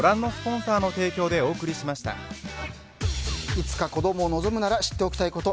いつか子供を望むなら知っておきたいこと。